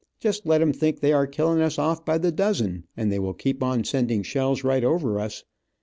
Just let em think they are killing us off by the dozen, and they will keep on sending shells right over us.